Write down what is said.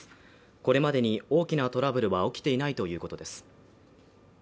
これまでに大きなトラブルは起きていないということです